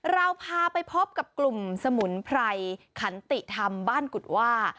เราพาไปพบกับกลุ่มสมุนไพรขันติธรรมบ้านกุฎว่า